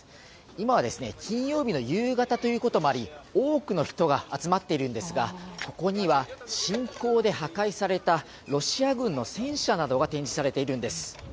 今は金曜日の夕方ということもあり多くの人が集まっているんですがここには侵攻で破壊されたロシア軍の戦車展示されているんです。